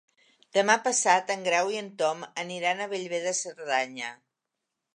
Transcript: Demà passat en Grau i en Tom aniran a Bellver de Cerdanya.